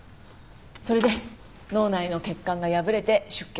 それで脳内の血管が破れて出血。